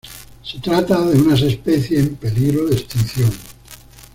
Se trata de unas especies en peligro de extinción.